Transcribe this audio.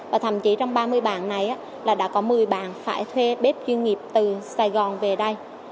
và thậm chí trong ba mươi bạn này là đã có một mươi bạn phải thuê bếp chuyên nghiệp từ sài gòn về đây